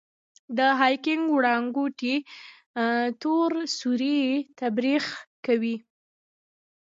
د هاکینګ وړانګوټې تور سوري تبخیر کوي.